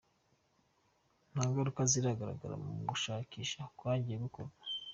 Nta ngaruka ziragaragara mu bushakashatsi bwagiye bukorwa.